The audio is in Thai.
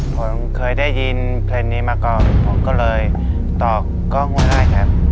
ผมเคยได้ยินเพลงนี้มาก่อนผมก็เลยตอกกล้องไว้ให้ครับ